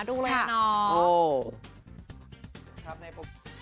ดูเลยค่ะน้อง